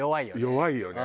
弱いよね。